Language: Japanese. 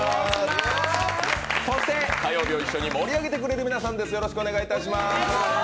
そして火曜日を一緒に盛り上げてくれる皆さんです。